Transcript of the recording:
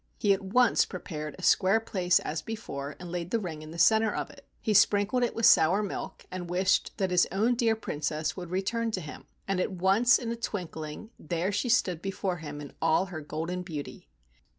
He at once prepared a square place as before and laid the ring in the center of it. He sprinkled it with sour milk and wished that his own dear Princess would return to him, and at once, in a twinkling, there she stood before him in all her golden beauty.